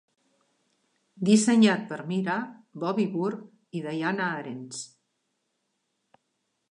Dissenyat per Mirah, Bobby Burg i Diana Arens.